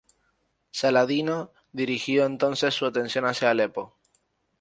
Saladino dirigió entonces su atención hacia Alepo.